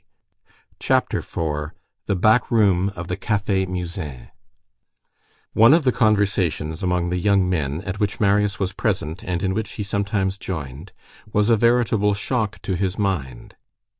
CHAPTER IV—THE BACK ROOM OF THE CAFÉ MUSAIN One of the conversations among the young men, at which Marius was present and in which he sometimes joined, was a veritable shock to his mind.